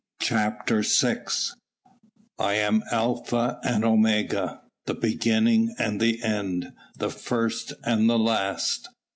CHAPTER VI "I am Alpha and Omega, the beginning and the end, the first and the last."